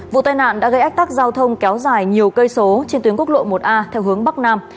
vụ tai nạn đã gây ách tắc giao thông kéo dài nhiều cây số trên tuyến quốc lộ một a theo hướng bắc nam